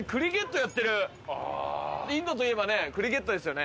インドといえばねクリケットですよね。